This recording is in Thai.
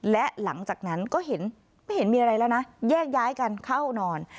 และหลังจากนั้นก็เห็นไม่เห็นมีอะไรแล้วนะแยกย้ายกันเข้านอน